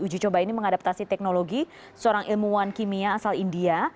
uji coba ini mengadaptasi teknologi seorang ilmuwan kimia asal india